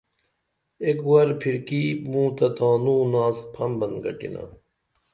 ایک ور پِھرکی موں تہ تانوں ناس پھمبن گٹِنا